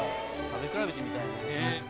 食べ比べてみたいね。